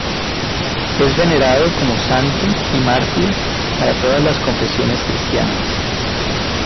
Es venerado como santo y mártir para todas las confesiones cristianas.